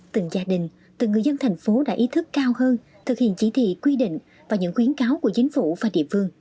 từng gia đình từng người dân thành phố đã ý thức cao hơn thực hiện chỉ thị quy định và những khuyến cáo của chính phủ và địa phương